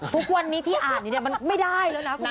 ทุกวันนี้พี่อ่านเนี่ยมันไม่ได้เลยนะคุณผู้ชม